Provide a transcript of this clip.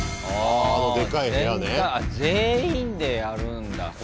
あ全員でやるんだ。